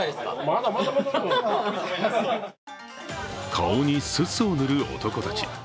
顔にすすを塗る男たち。